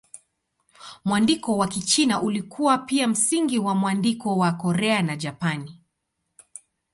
Mwandiko wa Kichina ulikuwa pia msingi wa mwandiko wa Korea na Japani.